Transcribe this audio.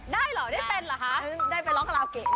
ได้หรอได้เป็นเหรอครับ